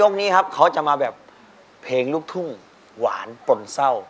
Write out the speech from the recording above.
นี้ครับเขาจะมาแบบเพลงลูกทุ่งหวานปนเศร้า